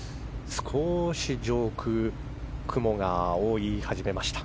少し上空を雲が覆い始めました。